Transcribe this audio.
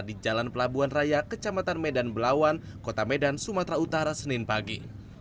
di jalan pelabuhan raya kecamatan medan belawan kota medan sumatera utara senin pagi